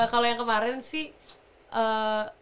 kalo yang kemaren sih